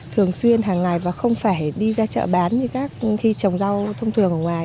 thường xuyên hàng ngày và không phải đi ra chợ bán các khi trồng rau thông thường ở ngoài